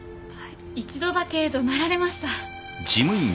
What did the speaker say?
一度だけどなられました